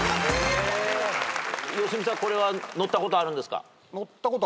良純さんこれは乗ったことあるんですか？